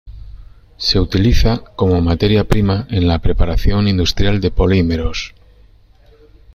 Se utiliza como materia prima en la preparación industrial de polímeros.